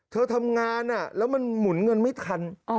เธอทำงานแล้วมันหมุนเงินไม่ทัน